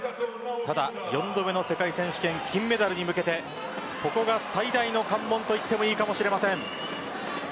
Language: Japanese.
ただ４度目の世界選手権金メダルに向けてここが最大の関門といってもいいかもしれません。